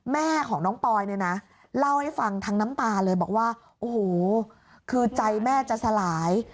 แม่ของน้องปอยเนี่ยนะเล่าให้ฟังทั้งน้ำตาเลยบอกว่าโอ้โหคือใจแม่จะสลาย